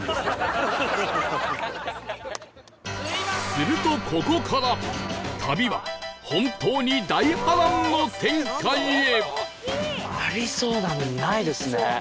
するとここから旅は本当に大波乱の展開へ！